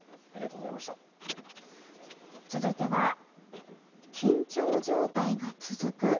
続いては緊張状態が続く